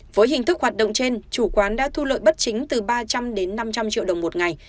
với hình thức hoạt động trên chủ quán đã thu lợi bất chính từ ba trăm linh đến năm trăm linh triệu đồng một ngày